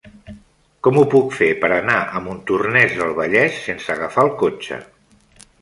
Com ho puc fer per anar a Montornès del Vallès sense agafar el cotxe?